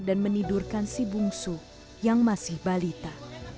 dan menidurkan si bungsu yang masih balita